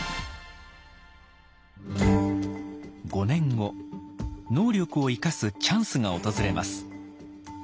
５年後能力を生かすチャンスが訪れます。